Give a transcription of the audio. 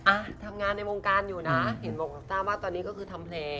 อ่ะทำงานในวงการอยู่นะเห็นบอกทราบว่าตอนนี้ก็คือทำเพลง